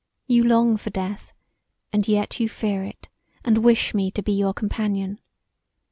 You long for death and yet you fear it and wish me to be your companion.